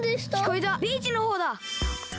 ビーチのほうだ。